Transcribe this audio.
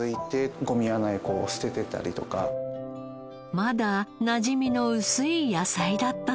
まだなじみの薄い野菜だったのです。